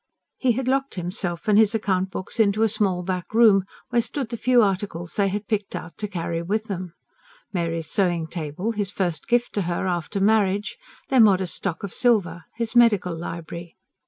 He had locked himself and his account books into a small back room, where stood the few articles they had picked out to carry with them: Mary's sewing table, his first gift to her after marriage; their modest stock of silver; his medical library.